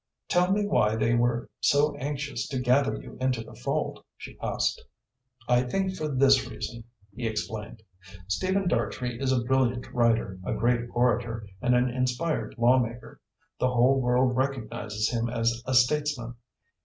"Tell me why they were so anxious to gather you into the fold?" she asked. "I think for this reason," he explained. "Stephen Dartrey is a brilliant writer, a great orator, and an inspired lawmaker. The whole world recognises him as a statesman.